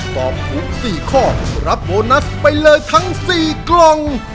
ตอบถูก๔ข้อรับโบนัสไปเลยทั้ง๔กล่อง